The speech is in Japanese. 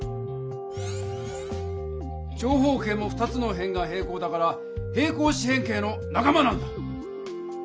長方形も２つの辺が平行だから平行四辺形のなか間なんだ！